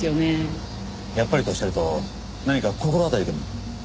「やっぱり」とおっしゃると何か心当たりでも？